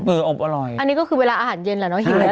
เอออบอร่อยอันนี้ก็คือเวลาอาหารเย็นหล่ะน้องหิวแล้วแหล่ะ